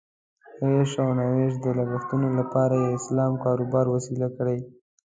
د عیش او نوش د لګښتونو لپاره یې اسلام کاروبار وسیله کړې.